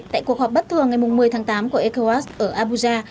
tại cuộc họp bất thường ngày một mươi tháng tám của ecowas ở abuja